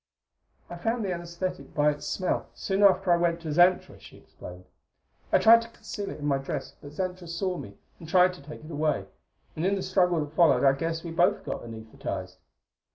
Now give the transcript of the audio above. "I found the anaesthetic by its smell soon after I went to Xantra," she explained. "I tried to conceal it in my dress, but Xantra saw me and tried to take it away; and in the struggle that followed I guess we both got anaesthetized.